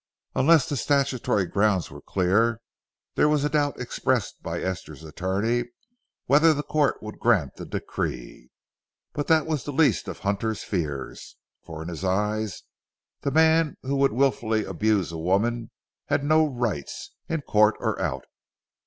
Unless the statutory grounds were clear, there was a doubt expressed by Esther's attorney whether the court would grant the decree. But that was the least of Hunter's fears, for in his eyes the man who would willfully abuse a woman had no rights, in court or out.